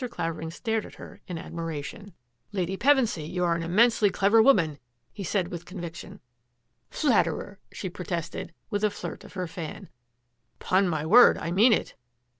Clavering stared at her in admiration. 'i 168 THAT AFFAIR AT THE MANOR " Lady Pevensy, you are an immensely clever woman !" he said with conviction. " Flatterer !" she protested, with a flirt of her fan. " Ton my word, I mean it."